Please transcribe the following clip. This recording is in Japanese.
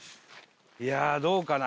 いやあどうかな。